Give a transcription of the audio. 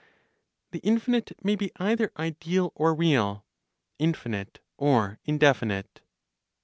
THE INFINITE MAY BE EITHER IDEAL OR REAL, INFINITE OR INDEFINITE.